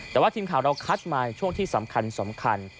แต่ว่าทีมข่าวเราคัดมาในช่วงที่สำคัญ